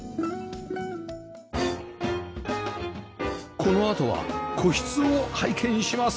このあとは個室を拝見します